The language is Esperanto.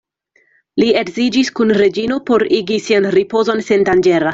Li edziĝis kun Reĝino por igi sian ripozon sendanĝera.